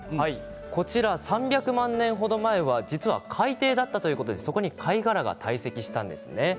こちら３００万年程前の海底だったということでそこに貝殻が堆積したんですね。